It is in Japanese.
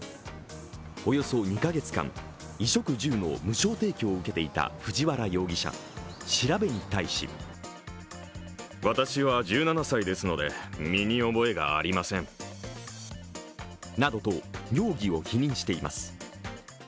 およそ２か月間、衣食住の無償提供を受けていた藤原容疑者、調べに対しなどと、容疑を否認しています。